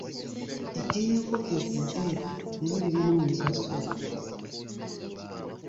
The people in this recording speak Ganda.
Eggi ly’enkoko ezzize nalyo lirirna omugaso.